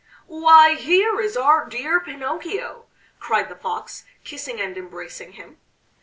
"Why here is our dear Pinocchio!" cried the Fox, kissing and embracing him.